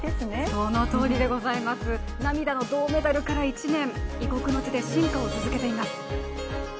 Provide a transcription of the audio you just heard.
そのとおりでございます、涙の銅メダルから１年、異国の地で進化を続けています。